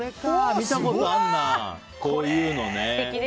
見たことあるな、こういうの。